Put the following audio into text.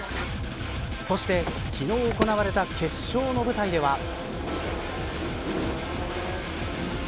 そして、昨日行われた決勝の舞台では。